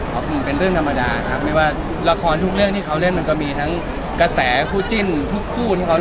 ก็เป็นคำว่ารักษาทุกเรื่องที่เขาเล่นมันก็มีทั้งกระแสคู่จิ้นทุกคู่ที่เขาเล่น